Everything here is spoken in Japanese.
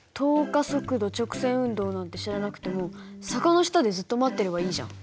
加速度直線運動なんて知らなくても坂の下でずっと待っていればいいじゃん。